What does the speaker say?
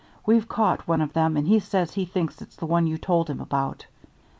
We've caught one of them and he says he thinks it's the one you told him about."